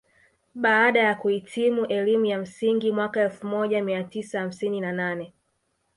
Baada ya kuhitimu elimu ya msingi mwaka elfu moja mia tisa hamsini na nane